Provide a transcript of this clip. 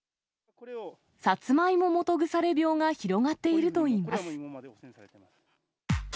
サツマイモ基腐病が広がっているといいます。